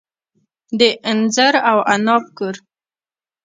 د انځر او عناب کور.